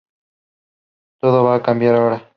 Todo va a cambiar ahora.